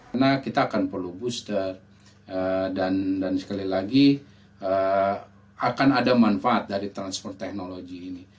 karena kita akan perlu booster dan sekali lagi akan ada manfaat dari transport teknologi ini